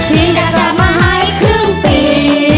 พี่จะกลับมาให้ครึ่งปี